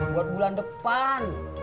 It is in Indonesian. buat bulan depan